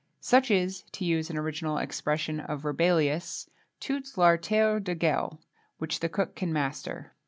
[XXII 7] Such is, to use an original expression of Rabelais, "toute l'artillerie de gueule," which the cook can master.